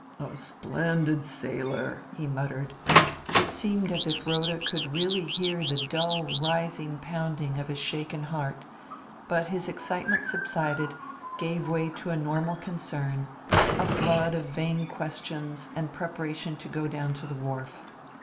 "A splendid sailor," he muttered. It seemed as if Rhoda could really hear the dull rising pounding of his shaken heart. But his excitement subsided, gave way to a normal concern, a flood of vain questions and preparation to go down to the wharf.